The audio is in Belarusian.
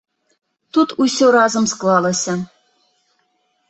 Тут усё разам склалася.